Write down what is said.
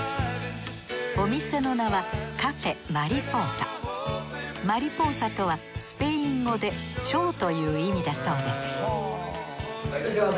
お店の名はマリポーサとはスペイン語で蝶という意味だそうですいらっしゃいませ。